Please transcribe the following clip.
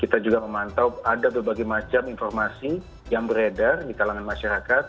kita juga memantau ada berbagai macam informasi yang beredar di kalangan masyarakat